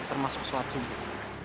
termasuk sholat subuh